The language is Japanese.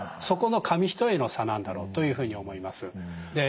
そこの紙一重の差なんだろうというふうに思います。